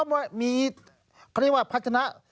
เพราะมีเขาเรียกว่าพัฒนา